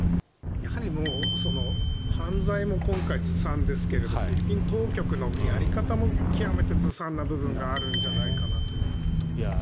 やはりもう犯罪も今回、ずさんですけどフィリピン当局のやり方も極めてずさんな部分があるんじゃないかなというところですね。